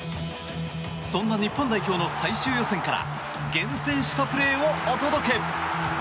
そんな日本代表の最終予選から厳選したプレーをお届け。